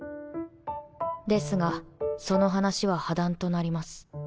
ですがその話は破談となります。